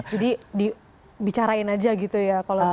jadi dibicarain aja gitu ya kalau muda ya